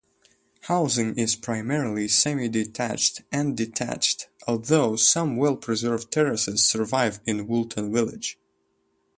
Housing is primarily semi-detached and detached, although some well-preserved terraces survive in Woolton Village.